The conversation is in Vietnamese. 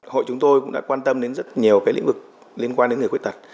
hội chúng tôi cũng đã quan tâm đến rất nhiều lĩnh vực liên quan đến người khuyết tật